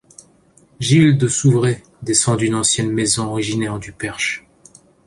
Gilles de Souvré, descend d'une ancienne maison originaire du Perche.